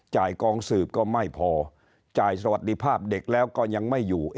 กองสืบก็ไม่พอจ่ายสวัสดีภาพเด็กแล้วก็ยังไม่อยู่